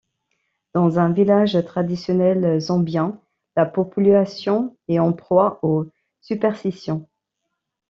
Dans un village traditionnel zambien, la population est en proie aux supersitions.